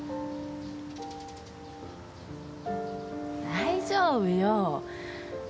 大丈夫よ。